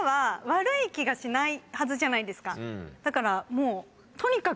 だからもう。